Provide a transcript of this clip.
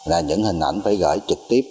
là những hình ảnh phải gửi trực tiếp